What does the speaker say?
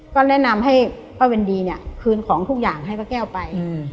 ก็แนะนำให้ป้าเวนดีเนี่ยคืนของทุกอย่างให้ป้าแก้วไป